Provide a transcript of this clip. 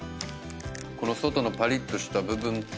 この外のパリッとした部分と。